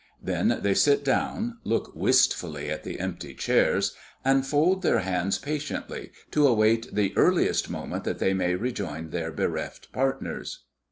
They then sit down, look wistfully at the empty chairs, and fold their hands patiently, to await the earliest moment that they may rejoin their bereft partners."